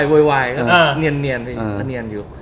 มันเป็นแบบเนี่ยนเพราะเนี่ยนอยู่